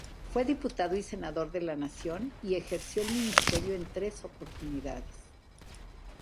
Fue diputado y senador de la Nación y ejerció el ministerio en tres oportunidades.